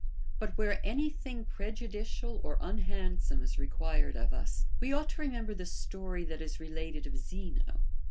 But where any thing prejudicial or unhandsome is required of us, we ought to remember the story that is related of Zeno.